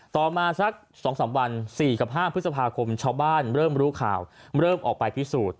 ต่อมาสัก๒๓วัน๔กับ๕พฤษภาคมชาวบ้านเริ่มรู้ข่าวเริ่มออกไปพิสูจน์